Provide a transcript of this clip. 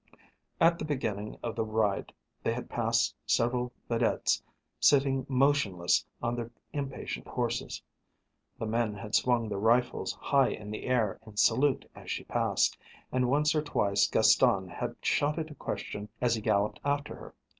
At the beginning of the ride they had passed several vedettes sitting motionless on their impatient horses. The men had swung their rifles high in the air in salute as she passed, and once or twice Gaston had shouted a question as he galloped after her.